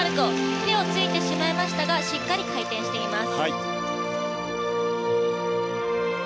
手をついてしまいましたがしっかり回転しています。